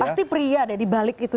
pasti pria deh dibalik itu